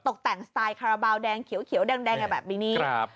ตกแต่งสไตล์คาราบาลแดงเขียวแดงกันแบบนี้ครับ